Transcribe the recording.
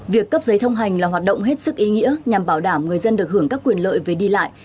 việc cấp giấy thông hành là hoạt động hết sức ý nghĩa nhằm bảo đảm người dân được hưởng các quyền lợi về đi lại